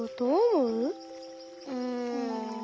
うん。